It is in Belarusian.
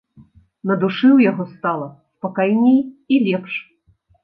На душы ў яго стала спакайней і лепш.